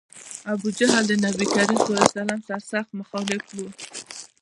ابوجهل د نبي علیه السلام سر سخت مخالف و.